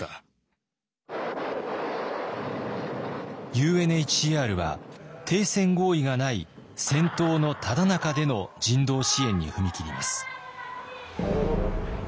ＵＮＨＣＲは停戦合意がない戦闘のただ中での人道支援に踏み切ります。